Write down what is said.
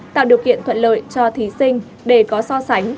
tạo điều kiện thuận lợi cho thí sinh để có so sánh